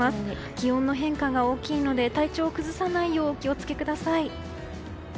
気温の変化が大きいので体調を崩さないようお気を付けください。